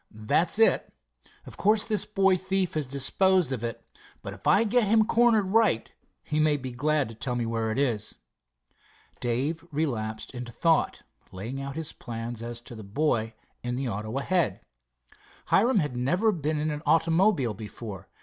"That's it. Of course this boy thief has disposed of it, but if I get him cornered right he may be glad to tell where it is." Dave relapsed into thought, laying out his plans as to the boy in the auto ahead. Hiram had never been in an automobile before.